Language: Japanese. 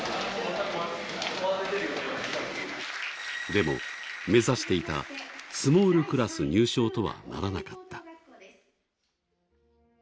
でも、目指していたスモールクラス入賞とはならなかった。